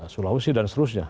sulawesi dan seterusnya